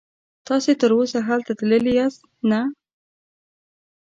تاسې تراوسه هلته تللي یاست؟ نه.